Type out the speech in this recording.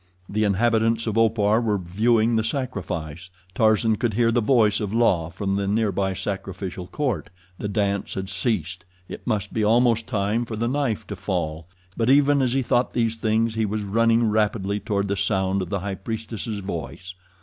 The inhabitants of Opar were viewing the sacrifice. Tarzan could hear the voice of La from the nearby sacrificial court. The dance had ceased. It must be almost time for the knife to fall; but even as he thought these things he was running rapidly toward the sound of the high priestess' voice.